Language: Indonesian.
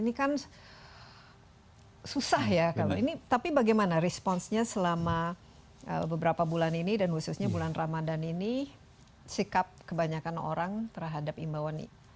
ini kan susah ya kalau ini tapi bagaimana responsnya selama beberapa bulan ini dan khususnya bulan ramadan ini sikap kebanyakan orang terhadap imbauani